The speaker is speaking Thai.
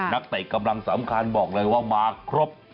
เตะกำลังสำคัญบอกเลยว่ามาครบ